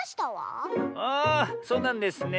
ああそうなんですね。